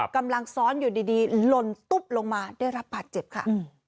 กำลังซ้อนอยู่ดีลนตุ๊บลงมาได้รับบาดเจ็บค่ะ